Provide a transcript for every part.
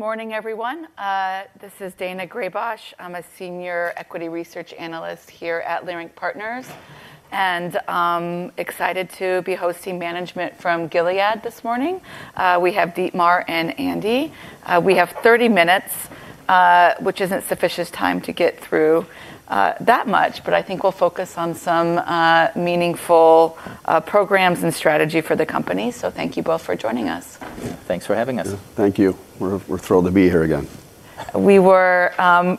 Morning, everyone. This is Daina Graybosch. I'm a senior equity research analyst here at Leerink Partners, and excited to be hosting management from Gilead this morning. We have Dietmar and Andy. We have 30 minutes, which isn't sufficient time to get through that much, but I think we'll focus on some meaningful programs and strategy for the company. Thank you both for joining us. Thanks for having us. Yeah. Thank you. We're thrilled to be here again. We're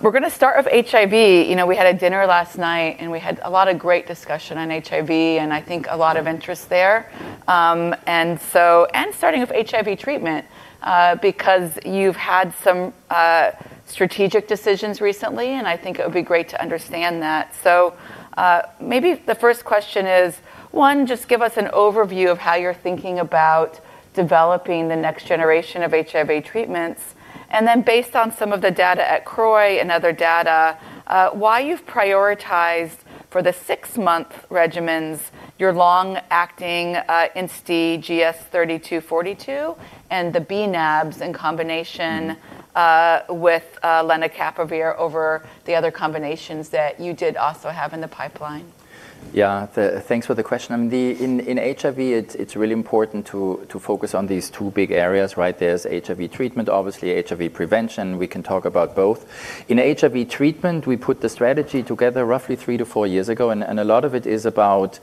gonna start with HIV. You know, we had a dinner last night, and we had a lot of great discussion on HIV, and I think a lot of interest there. Starting with HIV treatment, because you've had some strategic decisions recently, and I think it would be great to understand that. Maybe the first question is, one, just give us an overview of how you're thinking about developing the next generation of HIV treatments, and then based on some of the data at CROI and other data, why you've prioritized for the six-month regimens, your long-acting INSTI GS-3242, and the bNabs in combination with lenacapavir over the other combinations that you did also have in the pipeline. Yeah. Thanks for the question. I mean, in HIV, it's really important to focus on these two big areas, right? There's HIV treatment, obviously HIV prevention. We can talk about both. In HIV treatment, we put the strategy together roughly three to four years ago, and a lot of it is about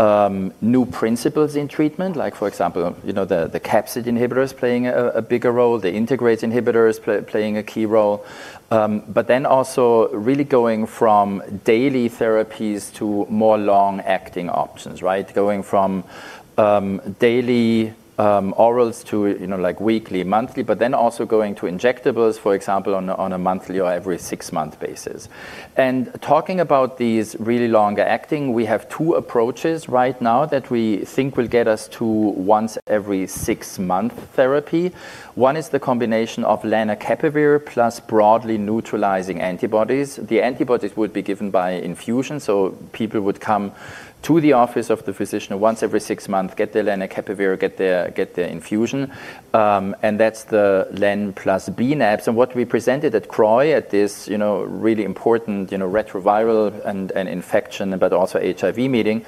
new principles in treatment, like, for example, you know, the capsid inhibitors playing a bigger role, the integrase inhibitors playing a key role. But then also really going from daily therapies to more long-acting options, right? Going from daily orals to, you know, like, weekly, monthly, but then also going to injectables, for example, on a monthly or every six-month basis. Talking about these really long-acting, we have two approaches right now that we think will get us to once every six-month therapy. One is the combination of lenacapavir plus broadly neutralizing antibodies. The antibodies would be given by infusion, so people would come to the office of the physician once every six months, get their lenacapavir, get their infusion, and that's the len plus bNabs. What we presented at CROI at this, you know, really important, you know, retroviral and infection, but also HIV meeting,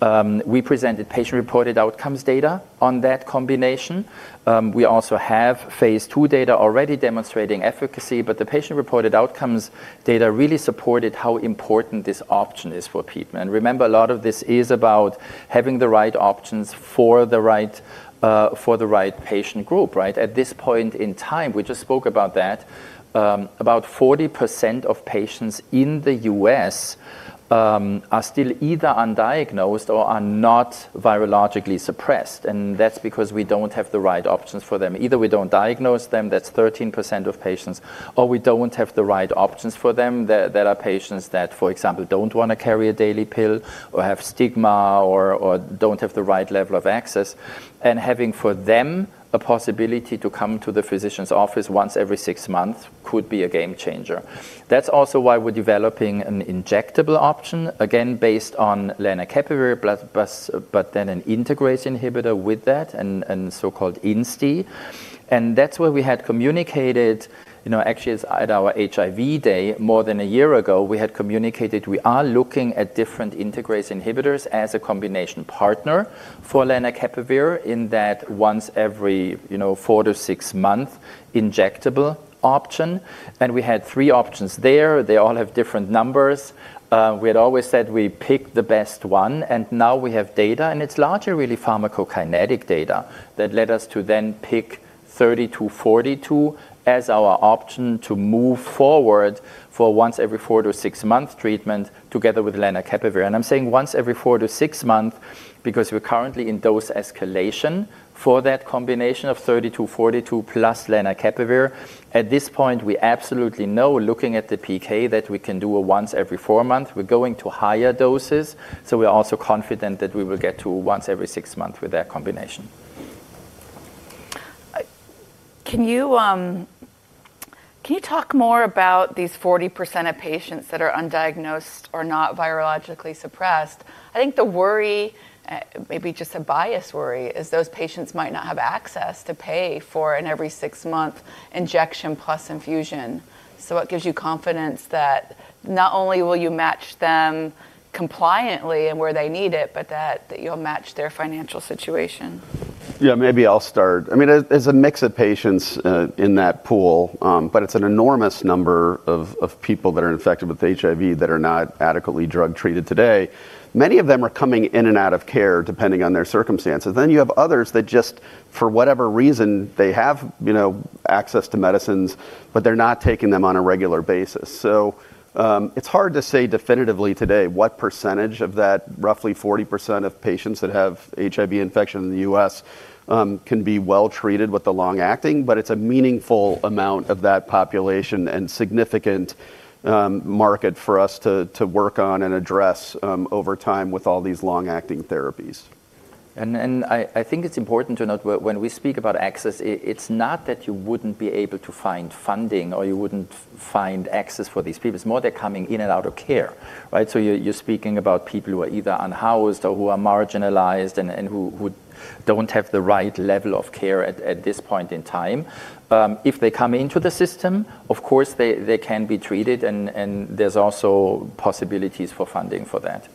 we presented patient-reported outcomes data on that combination. We also have phase II data already demonstrating efficacy, but the patient-reported outcomes data really supported how important this option is for people. Remember, a lot of this is about having the right options for the right patient group, right? At this point in time, we just spoke about that, about 40% of patients in the U.S., are still either undiagnosed or are not virologically suppressed, and that's because we don't have the right options for them. Either we don't diagnose them, that's 13% of patients, or we don't have the right options for them. There are patients that, for example, don't wanna carry a daily pill or have stigma or don't have the right level of access. Having for them a possibility to come to the physician's office once every six months could be a game changer. That's also why we're developing an injectable option, again based on lenacapavir plus but then an integrase inhibitor with that and so-called INSTI. That's where we had communicated, you know, actually it's at our HIV day more than a year ago, we had communicated we are looking at different integrase inhibitors as a combination partner for lenacapavir in that once every, you know, four to six-month injectable option. We had three options there. They all have different numbers. We had always said we pick the best one, and now we have data, and it's largely really pharmacokinetic data that led us to then pick 3242 as our option to move forward for once every four to six-month treatment together with lenacapavir. I'm saying once every four to six-month because we're currently in dose escalation for that combination of GS-3242 plus lenacapavir. At this point, we absolutely know looking at the PK that we can do a once every 4-month. We're going to higher doses, so we are also confident that we will get to once every six months with that combination. Can you talk more about these 40% of patients that are undiagnosed or not virologically suppressed? I think the worry, maybe just a bias worry, is those patients might not have access to pay for an every six-month injection plus infusion. What gives you confidence that not only will you match them compliantly and where they need it, but that you'll match their financial situation? Yeah, maybe I'll start. I mean, there's a mix of patients in that pool, but it's an enormous number of people that are infected with HIV that are not adequately drug-treated today. Many of them are coming in and out of care, depending on their circumstances. You have others that just, for whatever reason, they have, you know, access to medicines, but they're not taking them on a regular basis. It's hard to say definitively today what percentage of that roughly 40% of patients that have HIV infection in the U.S. can be well-treated with the long-acting, but it's a meaningful amount of that population and significant market for us to work on and address over time with all these long-acting therapies. I think it's important to note when we speak about access, it's not that you wouldn't be able to find funding or you wouldn't find access for these people. It's more they're coming in and out of care, right? You're speaking about people who are either unhoused or who are marginalized and who don't have the right level of care at this point in time. If they come into the system, of course, they can be treated and there's also possibilities for funding for that.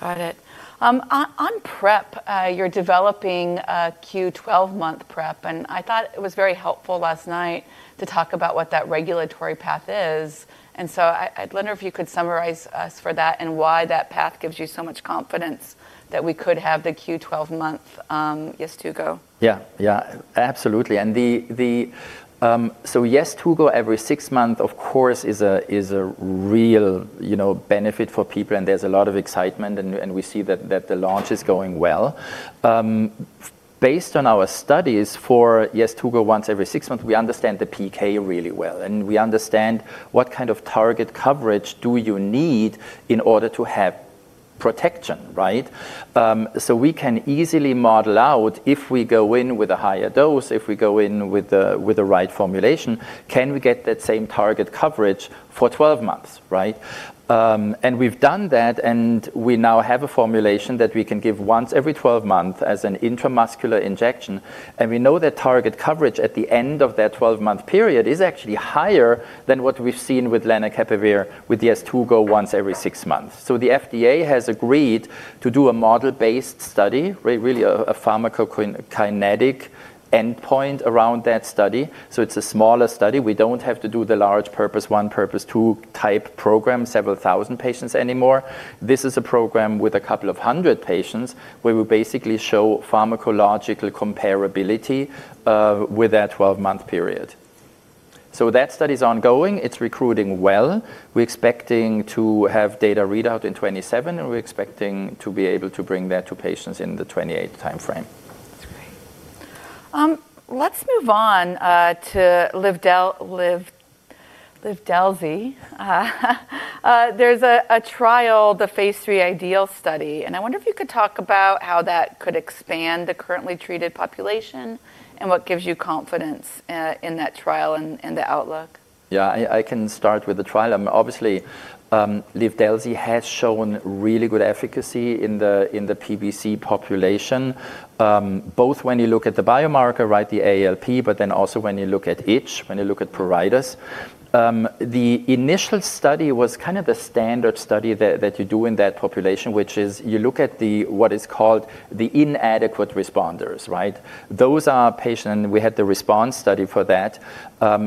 Got it. On prep, you're developing a 12-month prep, and I thought it was very helpful last night to talk about what that regulatory path is. I'd wonder if you could summarize for us that and why that path gives you so much confidence that we could have the 12-month Sunlenca. Yeah. Absolutely. Sunlenca every six months, of course, is a real, you know, benefit for people, and there's a lot of excitement and we see that the launch is going well. Based on our studies for yes, Sunlenca once every six months, we understand the PK really well, and we understand what kind of target coverage do you need in order to have protection, right? We can easily model out if we go in with a higher dose, if we go in with the right formulation, can we get that same target coverage for twelve months, right? We've done that, and we now have a formulation that we can give once every twelve months as an intramuscular injection. We know that target coverage at the end of that twelve-month period is actually higher than what we've seen with lenacapavir with yes, Sunlenca once every six months. The FDA has agreed to do a model-based study, really a pharmacokinetic endpoint around that study. It's a smaller study. We don't have to do the large PURPOSE 1, PURPOSE 2 type program, several thousand patients anymore. This is a program with a couple of hundred patients where we basically show pharmacological comparability with that twelve-month period. That study is ongoing. It's recruiting well. We're expecting to have data readout in 2027, and we're expecting to be able to bring that to patients in the 2028 timeframe. That's great. Let's move on to Livdelzi. There's a trial, the phase III IDEAL study, and I wonder if you could talk about how that could expand the currently treated population and what gives you confidence in that trial and the outlook. Yeah. I can start with the trial. Obviously, Livdelzi has shown really good efficacy in the PBC population, both when you look at the biomarker, right, the ALP, but then also when you look at itch, when you look at pruritus. The initial study was kind of the standard study that you do in that population, which is you look at what is called the inadequate responders, right? Those are patients. We had the RESPONSE study for that.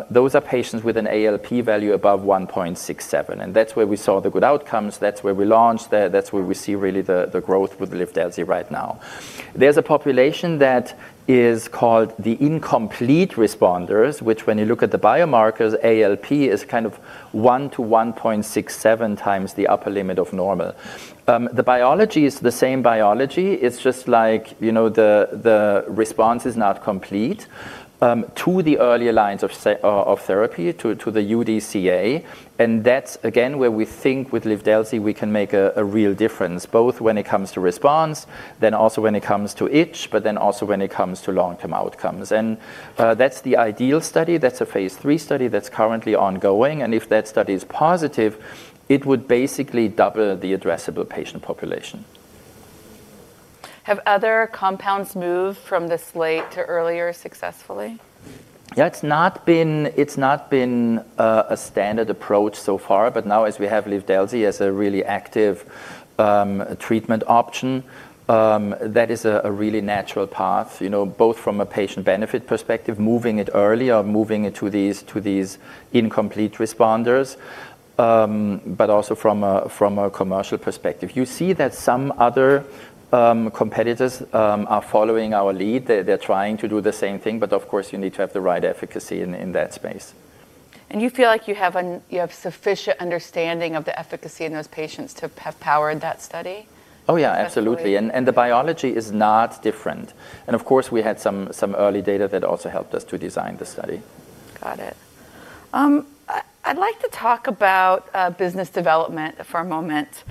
Those are patients with an ALP value above 1.67, and that's where we saw the good outcomes. That's where we launched. That's where we see really the growth with Livdelzi right now. There's a population that is called the incomplete responders, which when you look at the biomarkers, ALP is kind of one to 1.67 times the upper limit of normal. The biology is the same biology. It's just like, you know, the response is not complete to the earlier lines of of therapy to the UDCA. That's again where we think with Livdelzi we can make a real difference, both when it comes to response, then also when it comes to itch, but then also when it comes to long-term outcomes. That's the IDEAL study. That's a phase III study that's currently ongoing, and if that study is positive, it would basically double the addressable patient population. Have other compounds moved from this late to earlier successfully? Yeah, it's not been a standard approach so far, but now as we have Livdelzi as a really active treatment option, that is a really natural path, you know, both from a patient benefit perspective, moving it early or moving it to these incomplete responders, but also from a commercial perspective. You see that some other competitors are following our lead. They're trying to do the same thing, but of course, you need to have the right efficacy in that space. You feel like you have sufficient understanding of the efficacy in those patients to have powered that study? Oh, yeah, absolutely. Okay. The biology is not different. Of course, we had some early data that also helped us to design the study. Got it. I'd like to talk about business development for a moment.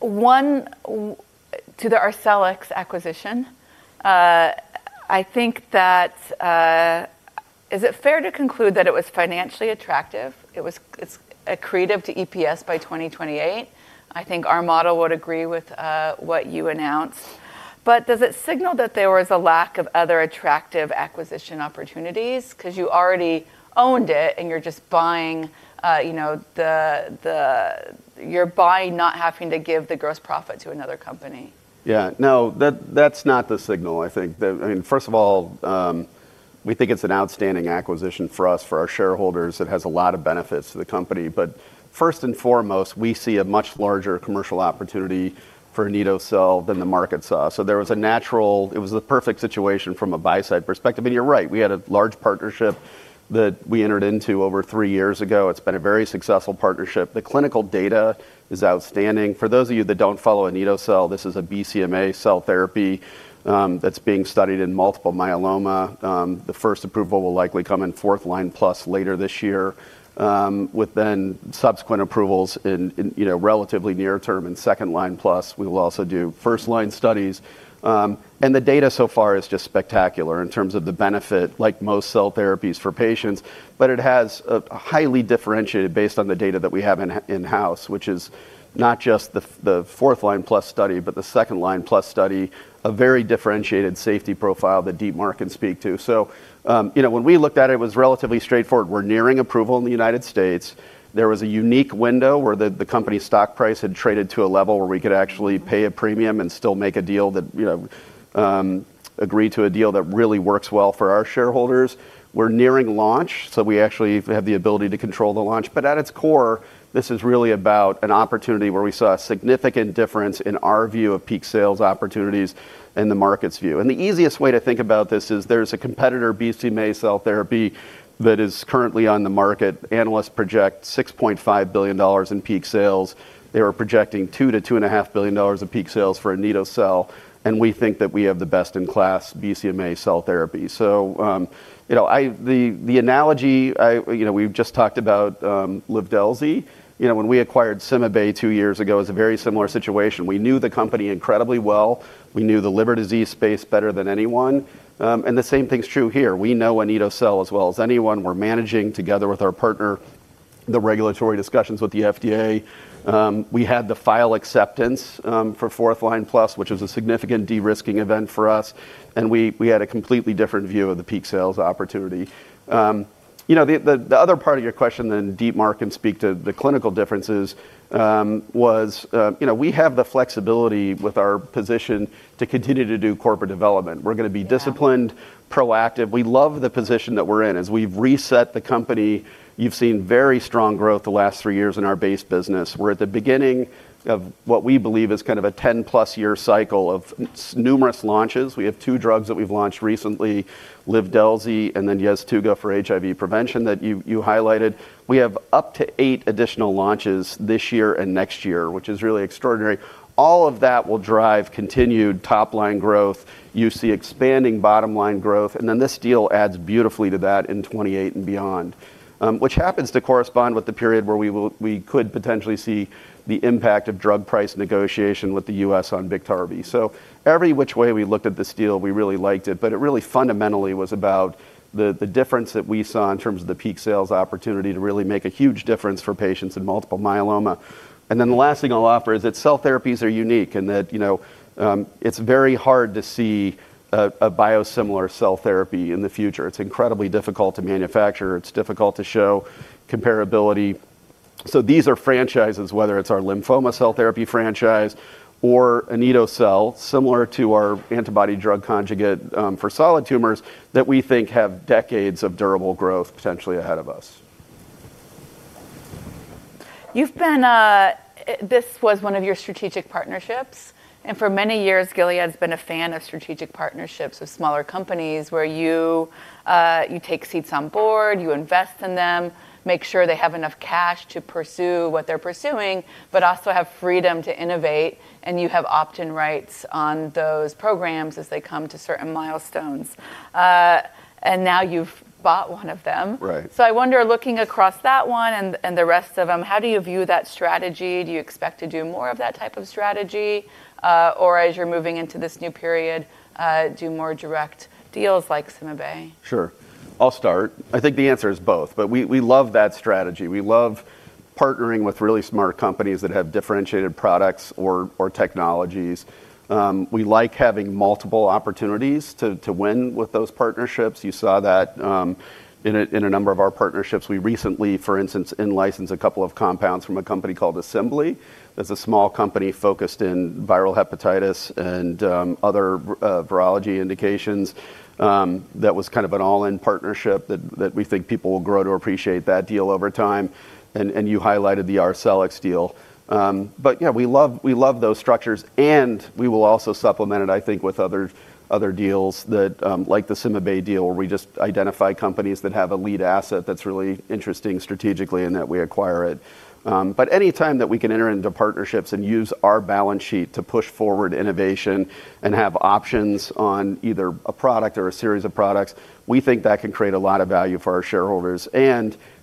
Want to the Arcellx acquisition, I think that. Is it fair to conclude that it was financially attractive? It's accretive to EPS by 2028. I think our model would agree with what you announced. Does it signal that there was a lack of other attractive acquisition opportunities? 'Cause you already owned it, and you're just buying not having to give the gross profit to another company. Yeah. No. That's not the signal, I think. I mean, first of all, we think it's an outstanding acquisition for us, for our shareholders. It has a lot of benefits to the company. First and foremost, we see a much larger commercial opportunity for anito-cel than the market saw. There was a natural. It was the perfect situation from a buy-side perspective. You're right, we had a large partnership that we entered into over three years ago. It's been a very successful partnership. The clinical data is outstanding. For those of you that don't follow anito-cel, this is a BCMA cell therapy that's being studied in multiple myeloma. The first approval will likely come in fourth-line plus later this year, with then subsequent approvals in you know, relatively near-term and second-line plus. We will also do first line studies. The data so far is just spectacular in terms of the benefit, like most cell therapies for patients. It has a highly differentiated based on the data that we have in-house, which is not just the fourth line plus study, but the second line plus study, a very differentiated safety profile that Dietmar can speak to. You know, when we looked at it was relatively straightforward. We're nearing approval in the United States. There was a unique window where the company stock price had traded to a level where we could actually pay a premium and still make a deal that, you know, agree to a deal that really works well for our shareholders. We're nearing launch, so we actually have the ability to control the launch. At its core, this is really about an opportunity where we saw a significant difference in our view of peak sales opportunities and the market's view. The easiest way to think about this is there's a competitor BCMA cell therapy that is currently on the market. Analysts project $6.5 billion in peak sales. They are projecting $2-$2.5 billion of peak sales for anito-cel, and we think that we have the best in class BCMA cell therapy. You know, the analogy we've just talked about, Livdelzi. You know, when we acquired CymaBay two years ago, it was a very similar situation. We knew the company incredibly well. We knew the liver disease space better than anyone. The same thing's true here. We know anito-cel as well as anyone. We're managing together with our partner, the regulatory discussions with the FDA. We had the file acceptance for fourth line plus, which was a significant de-risking event for us. We had a completely different view of the peak sales opportunity. You know, the other part of your question then Dietmar can speak to the clinical differences. We have the flexibility with our position to continue to do corporate development. We're gonna be disciplined, proactive. We love the position that we're in. As we've reset the company, you've seen very strong growth the last three years in our base business. We're at the beginning of what we believe is kind of a 10+ year cycle of numerous launches. We have two drugs that we've launched recently, Livdelzi and then lenacapavir for HIV prevention that you highlighted. We have up to eight additional launches this year and next year, which is really extraordinary. All of that will drive continued top-line growth. You see expanding bottom line growth, and then this deal adds beautifully to that in 2028 and beyond, which happens to correspond with the period where we could potentially see the impact of drug price negotiation with the U.S. on Biktarvy. Every which way we looked at this deal, we really liked it. It really fundamentally was about the difference that we saw in terms of the peak sales opportunity to really make a huge difference for patients in multiple myeloma. The last thing I'll offer is that cell therapies are unique and that, you know, it's very hard to see a biosimilar cell therapy in the future. It's incredibly difficult to manufacture. It's difficult to show comparability. These are franchises, whether it's our lymphoma cell therapy franchise or anito-cel, similar to our antibody drug conjugate for solid tumors, that we think have decades of durable growth potentially ahead of us. You've been, this was one of your strategic partnerships, and for many years, Gilead's been a fan of strategic partnerships with smaller companies where you take seats on board, you invest in them, make sure they have enough cash to pursue what they're pursuing, but also have freedom to innovate, and you have opt-in rights on those programs as they come to certain milestones. Now you've bought one of them. Right. I wonder, looking across that one and the rest of them, how do you view that strategy? Do you expect to do more of that type of strategy? Or as you're moving into this new period, do more direct deals like CymaBay? Sure. I'll start. I think the answer is both. We love that strategy. We love partnering with really smart companies that have differentiated products or technologies. We like having multiple opportunities to win with those partnerships. You saw that in a number of our partnerships. We recently, for instance, in-licensed a couple of compounds from a company called Assembly. That's a small company focused on viral hepatitis and other virology indications. That was kind of an all-in partnership that we think people will grow to appreciate that deal over time. You highlighted the Arcellx deal. We love those structures, and we will also supplement it, I think, with other deals that, like the CymaBay deal, where we just identify companies that have a lead asset that's really interesting strategically and that we acquire it. Any time that we can enter into partnerships and use our balance sheet to push forward innovation and have options on either a product or a series of products, we think that can create a lot of value for our shareholders.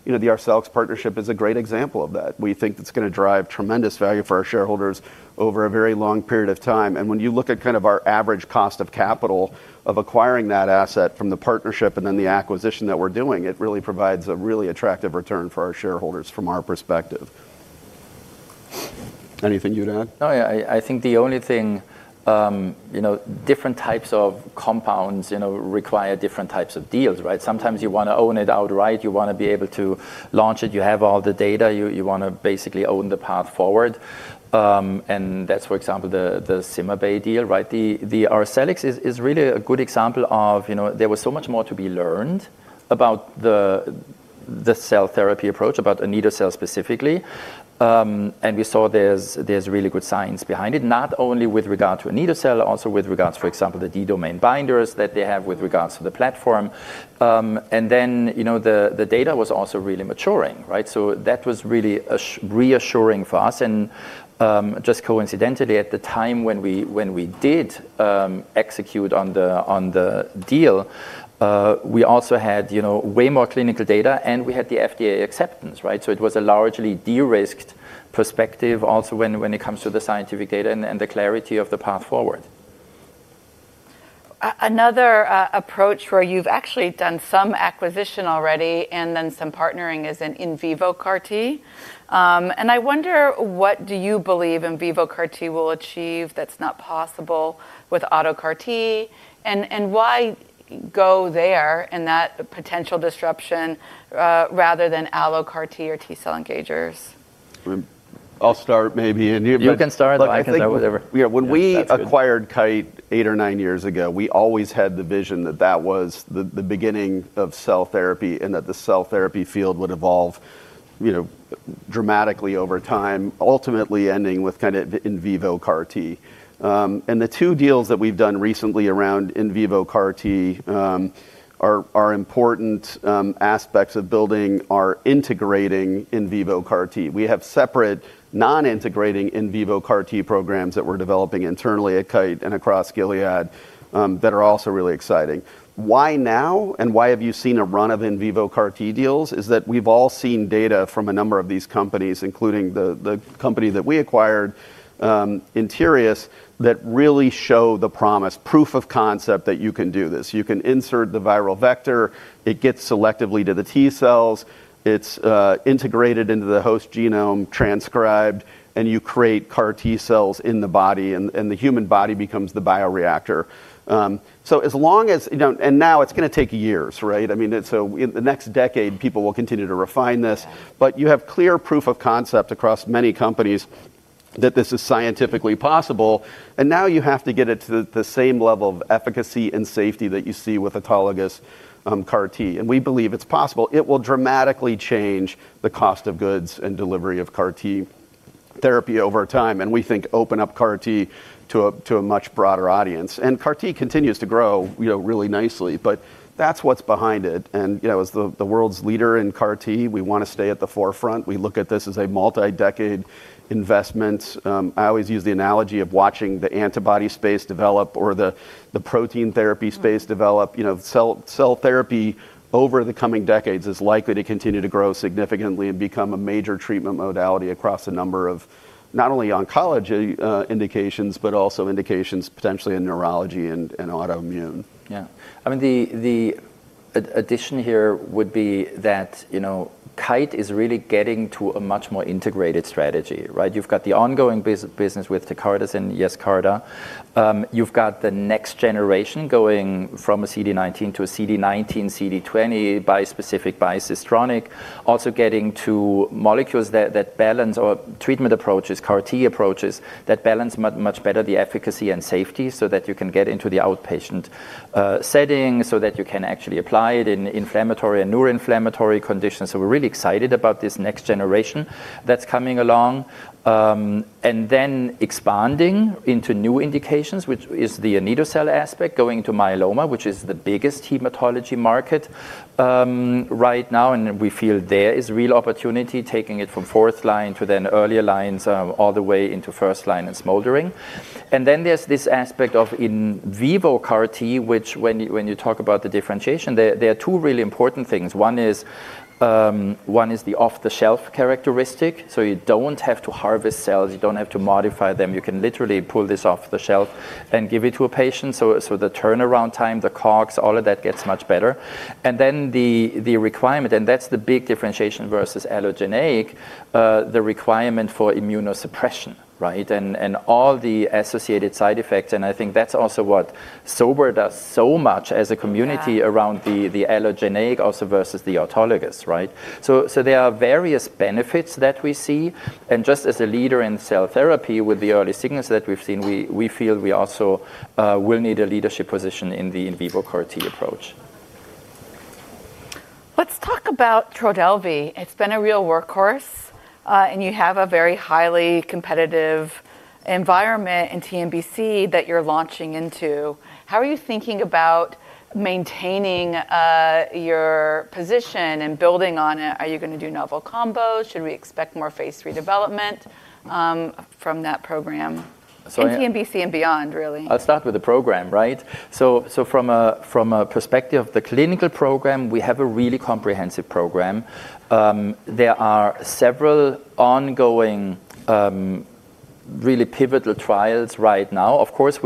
You know, the Arcellx partnership is a great example of that. We think it's gonna drive tremendous value for our shareholders over a very long period of time. When you look at kind of our average cost of capital of acquiring that asset from the partnership and then the acquisition that we're doing, it really provides a really attractive return for our shareholders from our perspective. Anything you'd add? No. Yeah. I think the only thing, you know, different types of compounds, you know, require different types of deals, right? Sometimes you wanna own it outright, you wanna be able to launch it, you have all the data, you wanna basically own the path forward. And that's, for example, the CymaBay deal, right? The Arcellx is really a good example of, you know, there was so much more to be learned about the cell therapy approach about anito-cel specifically. And we saw there's really good science behind it, not only with regard to anito-cel, also with regards, for example, the D domain binders that they have with regards to the platform. And then, you know, the data was also really maturing, right? That was really ASH-reassuring for us. Just coincidentally at the time when we did execute on the deal, we also had, you know, way more clinical data, and we had the FDA acceptance, right? It was a largely de-risked perspective also when it comes to the scientific data and the clarity of the path forward. Another approach where you've actually done some acquisition already and then some partnering is an in vivo CAR T. I wonder what do you believe in vivo CAR T will achieve that's not possible with auto CAR T, and why go there and that potential disruption, rather than allogeneic CAR T or T cell engagers? I'll start maybe and you, but- You can start. I can go whatever. Look, I think yeah, when we That's good. Acquired Kite eight or nine years ago, we always had the vision that that was the beginning of cell therapy, and that the cell therapy field would evolve, you know, dramatically over time, ultimately ending with kinda in vivo CAR T. The two deals that we've done recently around in vivo CAR T are important aspects of building our integrating in vivo CAR T. We have separate non-integrating in vivo CAR T programs that we're developing internally at Kite and across Gilead that are also really exciting. Why now, and why have you seen a run of in vivo CAR T deals? It's that we've all seen data from a number of these companies, including the company that we acquired, Interius, that really show the promise, proof of concept that you can do this. You can insert the viral vector, it gets selectively to the T cells, it's integrated into the host genome, transcribed, and you create CAR T cells in the body, and the human body becomes the bioreactor. You know, now it's gonna take years, right? I mean, it's in the next decade people will continue to refine this. Yeah. You have clear proof of concept across many companies that this is scientifically possible, and now you have to get it to the same level of efficacy and safety that you see with autologous CAR T, and we believe it's possible. It will dramatically change the cost of goods and delivery of CAR T therapy over time, and we think open up CAR T to a much broader audience. CAR T continues to grow, you know, really nicely, but that's what's behind it. You know, as the world's leader in CAR T, we wanna stay at the forefront. We look at this as a multi-decade investment. I always use the analogy of watching the antibody space develop or the protein therapy space develop. Mm. You know, cell therapy over the coming decades is likely to continue to grow significantly and become a major treatment modality across a number of not only oncology indications, but also indications potentially in neurology and autoimmune. Yeah. I mean, the addition here would be that, you know, Kite is really getting to a much more integrated strategy, right? You've got the ongoing business with Tecartus and Yescarta. You've got the next generation going from a CD19 to a CD19, CD20 bispecific, bicistronic. Also getting to molecules that balance our treatment approaches, CAR T approaches, that balance much better the efficacy and safety so that you can get into the outpatient setting, so that you can actually apply it in inflammatory and neuroinflammatory conditions. We're really excited about this next generation that's coming along. Expanding into new indications, which is the anito-cel aspect, going to myeloma, which is the biggest hematology market, right now, and we feel there is real opportunity taking it from fourth line to then earlier lines, all the way into first line and smoldering. There's this aspect of in vivo CAR T, which when you talk about the differentiation, there are two really important things. One is the off-the-shelf characteristic. So you don't have to harvest cells, you don't have to modify them. You can literally pull this off the shelf and give it to a patient. So the turnaround time, the COGS, all of that gets much better. And then the requirement, and that's the big differentiation versus allogeneic, the requirement for immunosuppression, right? All the associated side effects, and I think that's also what sober does so much as a community. Yeah Around the allogeneic also versus the autologous, right? There are various benefits that we see, and just as a leader in cell therapy with the early signals that we've seen, we feel we also will need a leadership position in the in vivo CAR T approach. Let's talk about Trodelvy. It's been a real workhorse, and you have a very highly competitive environment in TNBC that you're launching into. How are you thinking about maintaining your position and building on it? Are you gonna do novel combos? Should we expect more phase III development from that program? So I- In TNBC and beyond really. I'll start with the program, right? From a perspective of the clinical program, we have a really comprehensive program. There are several ongoing, really pivotal trials right now. Of course,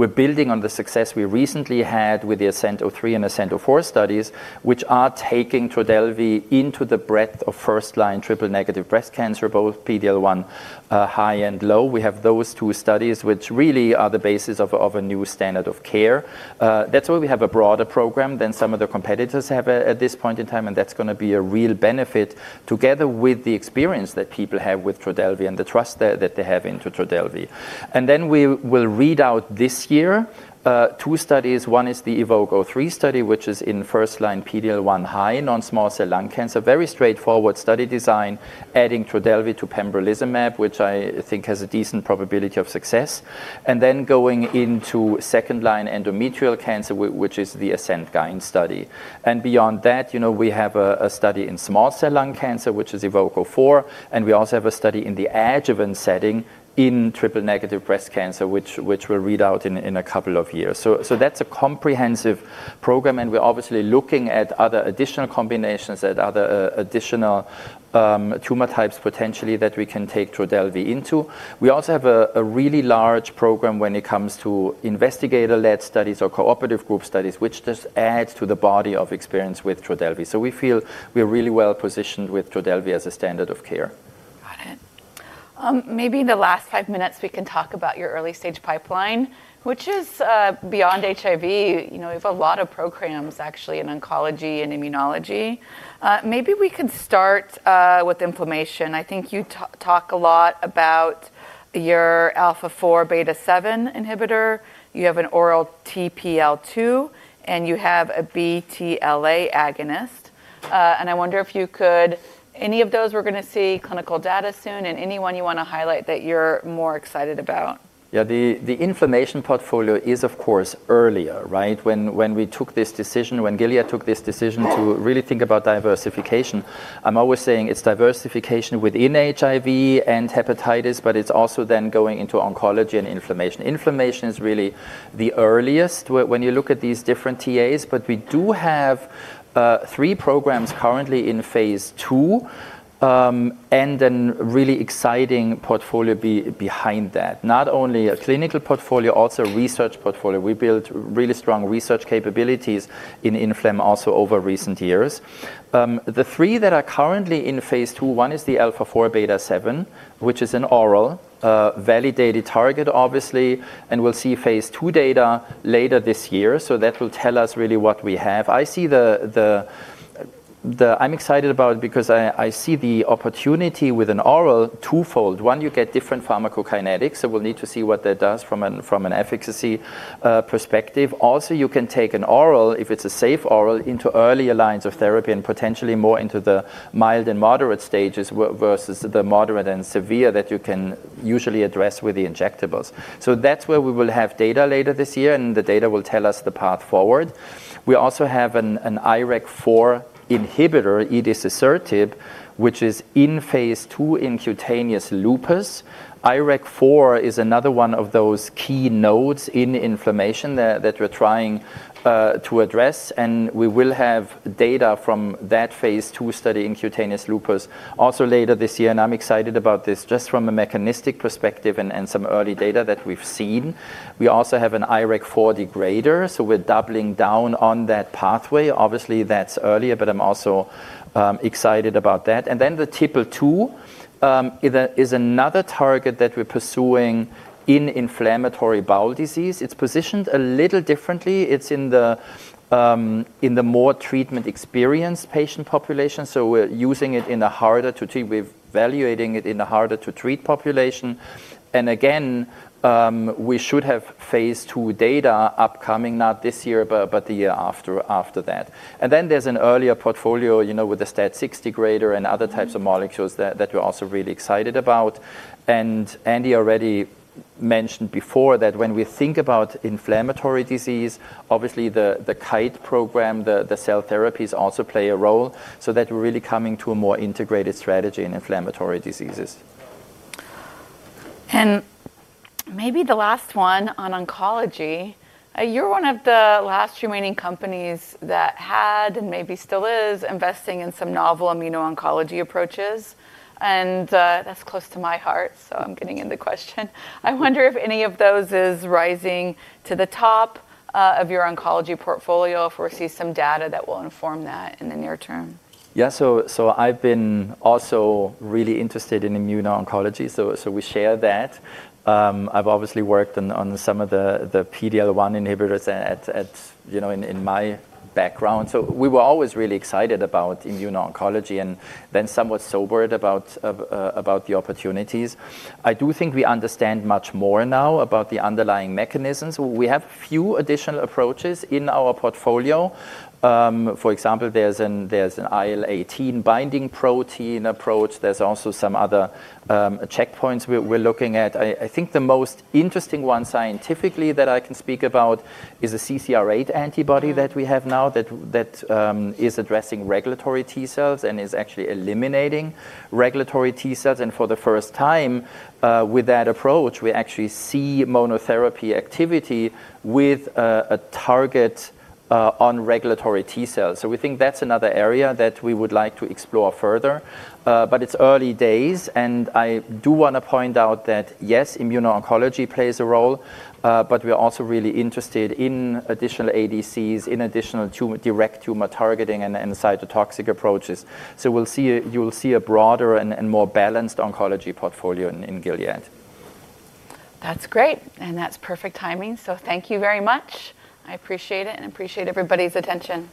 we're building on the success we recently had with the ASCENT-03 and ASCENT-04 studies, which are taking Trodelvy into the breadth of first-line triple-negative breast cancer, both PD-L1 high and low. We have those two studies which really are the basis of a new standard of care. That's why we have a broader program than some of the competitors have at this point in time, and that's gonna be a real benefit together with the experience that people have with Trodelvy and the trust that they have into Trodelvy. We will read out this year, two studies. One is the EVOKE-03 study, which is in first-line PD-L1 high non-small cell lung cancer. Very straightforward study design adding Trodelvy to pembrolizumab, which I think has a decent probability of success. Going into second-line endometrial cancer which is the ASCENT-GYN-01 study. You know, we have a study in small cell lung cancer, which is EVOKE-04, and we also have a study in the adjuvant setting in triple-negative breast cancer, which we'll read out in a couple of years. That's a comprehensive program, and we're obviously looking at other additional combinations, at other, additional, tumor types potentially that we can take Trodelvy into. We also have a really large program when it comes to investigator-led studies or cooperative group studies, which just adds to the body of experience with Trodelvy. We feel we're really well-positioned with Trodelvy as a standard of care. Got it. Maybe in the last five minutes we can talk about your early-stage pipeline, which is beyond HIV. You know, you have a lot of programs actually in oncology and immunology. Maybe we could start with inflammation. I think you talk a lot about your alpha four beta seven inhibitor. You have an oral TPL2, and you have a BTLA agonist. I wonder if you could any of those we're gonna see clinical data soon, and any one you wanna highlight that you're more excited about? The inflammation portfolio is of course earlier, right? When we took this decision, when Gilead took this decision to really think about diversification, I'm always saying it's diversification within HIV and hepatitis, but it's also then going into oncology and inflammation. Inflammation is really the earliest when you look at these different TAs, but we do have three programs currently in phase II, and a really exciting portfolio behind that, not only a clinical portfolio, also research portfolio. We built really strong research capabilities in inflammation also over recent years. The three that are currently in phase II, one is the α4β7, which is an oral validated target obviously, and we'll see phase II data later this year. That will tell us really what we have. I'm excited about it because I see the opportunity with an oral twofold. One, you get different pharmacokinetics, so we'll need to see what that does from an efficacy perspective. Also, you can take an oral, if it's a safe oral, into earlier lines of therapy and potentially more into the mild and moderate stages versus the moderate and severe that you can usually address with the injectables. That's where we will have data later this year, and the data will tell us the path forward. We also have an IRAK4 inhibitor, edecesertib, which is in phase II in cutaneous lupus. IRAK4 is another one of those key nodes in inflammation that we're trying to address, and we will have data from that phase II study in cutaneous lupus also later this year. I'm excited about this just from a mechanistic perspective and some early data that we've seen. We also have an IRAK4 degrader, so we're doubling down on that pathway. Obviously, that's earlier, but I'm also excited about that. Then the TPL2 is another target that we're pursuing in inflammatory bowel disease. It's positioned a little differently. It's in the more treatment-experienced patient population, so we're evaluating it in a harder to treat population. Again, we should have phase II data upcoming, not this year but the year after that. Then there's an earlier portfolio, you know, with the STAT6 degrader and other types of molecules that we're also really excited about. Andy already mentioned before that when we think about inflammatory disease, obviously the Kite program, the cell therapies also play a role, so that we're really coming to a more integrated strategy in inflammatory diseases. Maybe the last one on oncology. You're one of the last remaining companies that had, and maybe still is, investing in some novel immuno-oncology approaches. That's close to my heart, so I'm getting in the question. I wonder if any of those is rising to the top, of your oncology portfolio if we see some data that will inform that in the near term. Yeah. I've been also really interested in immuno-oncology, so we share that. I've obviously worked on some of the PD-L1 inhibitors at, you know, in my background. We were always really excited about immuno-oncology and then somewhat sobered about the opportunities. I do think we understand much more now about the underlying mechanisms. We have few additional approaches in our portfolio. For example, there's an IL-18 binding protein approach. There's also some other checkpoints we're looking at. I think the most interesting one scientifically that I can speak about is a CCR8 antibody. Mm. That we have now that is addressing regulatory T cells and is actually eliminating regulatory T cells. For the first time, with that approach, we actually see monotherapy activity with a target on regulatory T cells. We think that's another area that we would like to explore further. But it's early days, and I do wanna point out that, yes, immuno-oncology plays a role, but we're also really interested in additional ADCs, in additional direct tumor targeting and cytotoxic approaches. You'll see a broader and more balanced oncology portfolio in Gilead. That's great, and that's perfect timing. Thank you very much. I appreciate it and appreciate everybody's attention.